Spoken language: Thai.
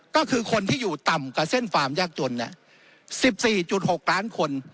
ก็คือคนที่อยู่ต่ำกับเส้นฟาร์มยากจนน่ะสิบสี่จุดหกล้านคน